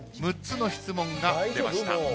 ６つの質問が出ました。